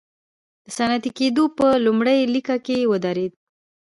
د صنعتي کېدو په لومړۍ لیکه کې ودرېد.